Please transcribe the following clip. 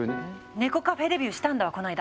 猫カフェデビューしたんだわこの間。